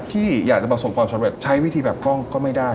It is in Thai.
ที่อยากจะประสบความสำเร็จใช้วิธีแบบกล้องก็ไม่ได้